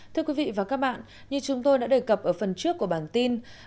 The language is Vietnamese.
thưa quý vị và các bạn như chúng tôi đã đề cập ở phần trước của bản tin